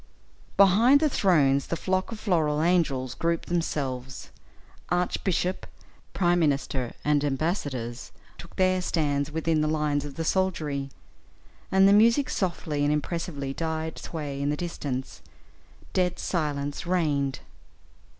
Behind the thrones the flock of floral angels grouped themselves; archbishop, prime minister, and embassadors, took their stand within the lines of the soldiery, and the music softly and impressively died sway in the distance; dead silence reigned.